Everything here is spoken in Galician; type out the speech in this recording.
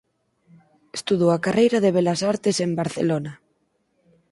Estudou a carreira de Belas Artes en Barcelona.